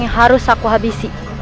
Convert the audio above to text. yang harus aku habisi